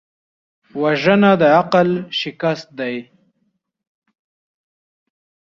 وژنه د عقل شکست دی